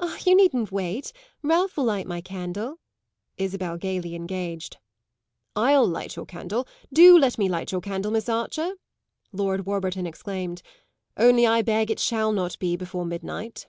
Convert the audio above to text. "Ah, you needn't wait! Ralph will light my candle," Isabel gaily engaged. "I'll light your candle; do let me light your candle, Miss Archer!" Lord Warburton exclaimed. "Only I beg it shall not be before midnight."